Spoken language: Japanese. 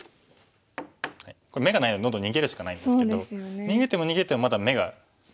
これ眼がないのでどんどん逃げるしかないですけど逃げても逃げてもまだ眼がないんですよね。